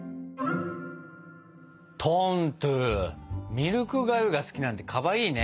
ミルクがゆが好きなんてかわいいね。